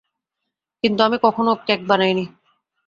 কিন্তু আমি কখনো কেক বানাইনি।